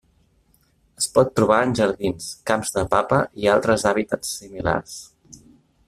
Es pot trobar en jardins, camps de papa i altres hàbitats similars.